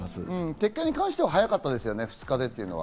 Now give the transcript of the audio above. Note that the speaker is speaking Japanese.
撤回に関しても早かったですね、２日というのは。